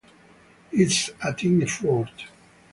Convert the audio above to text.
It's a team effort.